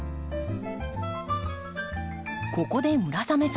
ここで村雨さん